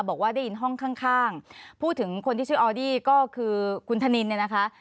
บอกว่าได้ยินห้องข้างพูดถึงคนที่ชื่อออดี้ก็คือคุณธนินเนี่ยนะคะ